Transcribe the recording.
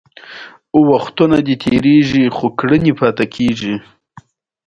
د غلام ملت ژبه، دود او عنعنات له منځه ځي.